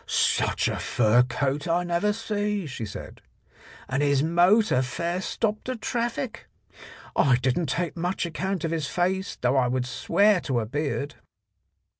"Such a fur coat I never see," she said, "and his motor fair stopped the traffic. I didn't take much account of his face, though I would swear to a beard."